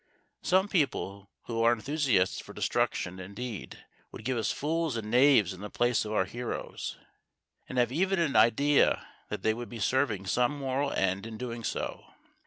Some people, who are enthusiasts for destruction, indeed, would give us fools and knaves in the place of our heroes, and have even an idea that they would be serving some moral end in doing so.